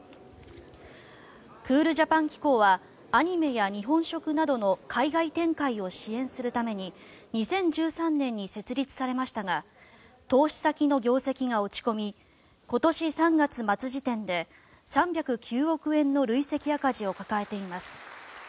クールジャパン機構はアニメや日本食などの海外展開を支援するために２０１３年に設立されましたが投資先の業績が落ち込み今年３月末時点で３０９億円の累積赤字を抱えています。